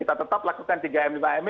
kita tetap lakukan tiga m lima m